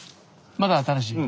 まだ新しい？